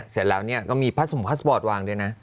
เสร็จแล้วก็มีผ้าสมพาสปอร์ตวางด้วยนะ